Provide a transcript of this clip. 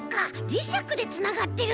じしゃくでつながってるんだ！